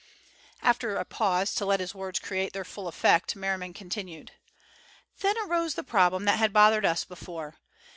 After a pause to let his words create their full effect, Merriman continued: "Then arose the problem that had bothered us before.